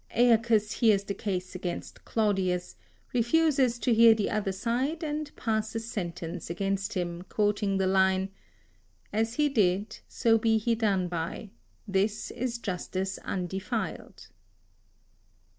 Aeacus hears the case against Claudius, refuses to hear the other side and passes sentence against him, quoting the line: "As he did, so be he done by, this is justice undefiled."